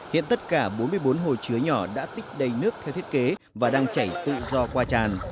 hiện tất cả bốn mươi bốn hồ chứa nhỏ đã tích đầy nước theo thiết kế và đang chảy tự do qua tràn